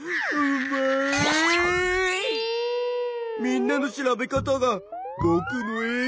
みんなの調べ方がぼくの栄養だよ。